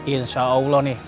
insya allah nih